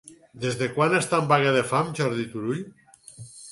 Des de quan està en vaga de fam Jordi Turull?